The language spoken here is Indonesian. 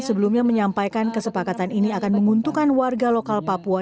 sebelumnya menyampaikan kesepakatan ini akan menguntungkan warga lokal papua